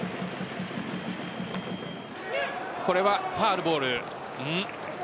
これはファウルボール。